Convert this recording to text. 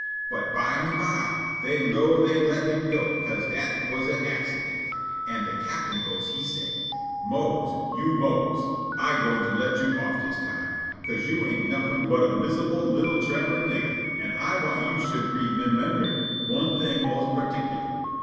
But byme by they 'low they let him go 'ca'se dat was an accident, an' de captain ghost he say', "Mose, you Mose, Ah gwine let you off dis time, 'ca'se you ain't nuffin' but a misabul li'l' tremblin' nigger; but Ah want you should _re_mimimber one thing mos' particular'."